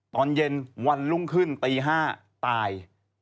ตอนเย็นวันรุ่งขึ้นตี๕ตาย